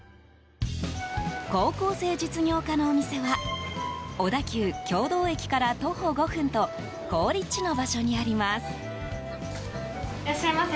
高校生実業家のお店は小田急経堂駅から徒歩５分と好立地の場所にあります。